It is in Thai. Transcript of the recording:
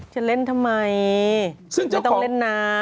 จะเล่นทำไมซึ่งจะต้องเล่นน้ำ